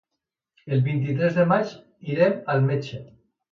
El vint-i-tres de maig irem al metge.